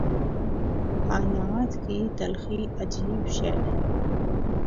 حالات کی تلخی عجیب شے ہے۔